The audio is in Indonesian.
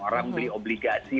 orang beli obligasi